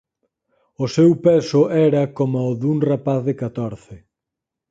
O seu peso era coma o dun rapaz de catorce.